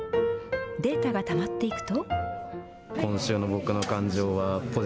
データがたまっていくと。